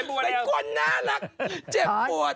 เป็นคนน่ารักเจ็บปวด